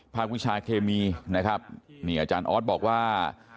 วิชาเคมีนะครับนี่อาจารย์ออสบอกว่า